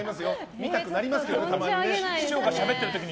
見たくなりますけど、たまに。